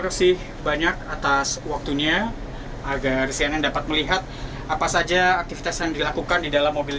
terima kasih banyak atas waktunya agar cnn dapat melihat apa saja aktivitas yang dilakukan di dalam mobil